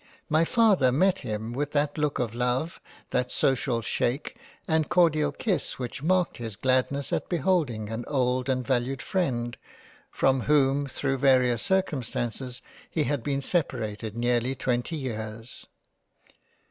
My Father met him with that look of Love, that social Shake, and cordial kiss which marked his gladness at beholding an old and valued freind from whom thro' various circumstances he had been 131 g JANE AUSTEN £ separated nearly twenty years.